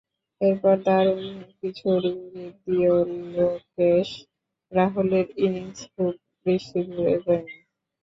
এরপর দারুণ কিছুর ইঙ্গিত দিয়েও লোকেশ রাহুলের ইনিংস খুব বেশি দূর এগোয়নি।